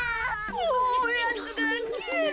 おやつがきえる。